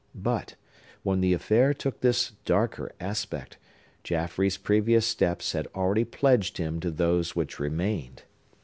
But, when the affair took this darker aspect, Jaffrey's previous steps had already pledged him to those which remained.